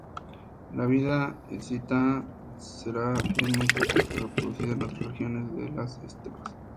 La vida escita será fielmente reproducida en otras regiones de las estepas.